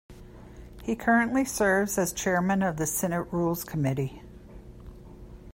He currently serves as Chairman of the Senate Rules Committee.